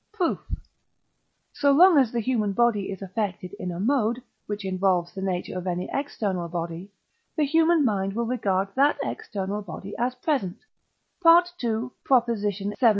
Proof. So long as the human body is affected in a mode, which involves the nature of any external body, the human mind will regard that external body as present (II. xvii.)